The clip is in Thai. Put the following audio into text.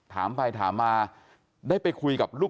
ความปลอดภัยของนายอภิรักษ์และครอบครัวด้วยซ้ำ